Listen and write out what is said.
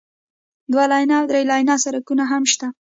دوه لینه او درې لینه سړکونه هم شتون لري